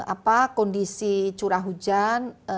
apa kondisi curah hujan